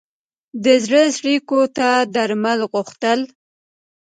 د زړه څړیکو ته درمل غوښتل.